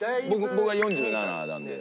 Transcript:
僕が４７なので。